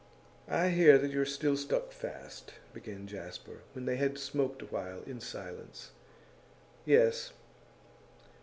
'I hear that you are still stuck fast,' began Jasper, when they had smoked awhile in silence. 'Yes.